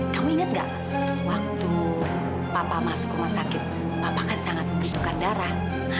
kamu inget gak waktu papa masuk rumah sakit papa kan sangat membutuhkan darah